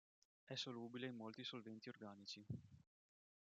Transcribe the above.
È solubile in molti solventi organici.